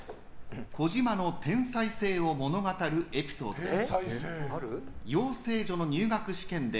児嶋の天才性を物語るエピソードです。